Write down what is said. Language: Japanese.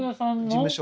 事務所。